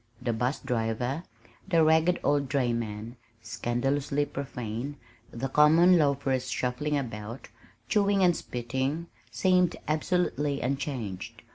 The 'bus driver, the ragged old dray man (scandalously profane), the common loafers shuffling about, chewing and spitting, seemed absolutely unchanged.